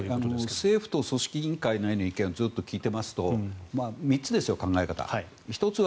政府と組織委員会の意見をずっと聞いていますと３つですよ、考え方は。